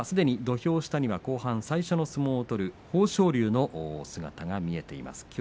土俵下にはすでに後半最初の相撲を取る豊昇龍の姿が見えています。